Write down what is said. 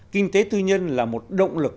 kinh tế tư nhân là một động lực